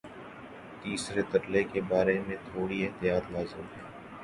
تیسرے ترلے کے بارے میں تھوڑی احتیاط لازم ہے۔